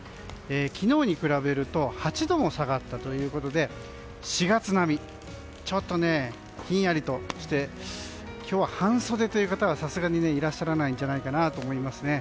昨日に比べると８度も下がったということで４月並みちょっとひんやりとして今日は半袖という方はさすがにいらっしゃらないんじゃないかと思いますね。